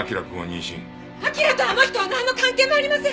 アキラとあの人はなんの関係もありません！